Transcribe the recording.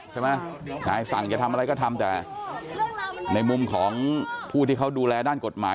ทนายสั่งจะทำอะไรก็ทำแต่ในมุมของผู้ที่เขาดูแลด้านกฎหมาย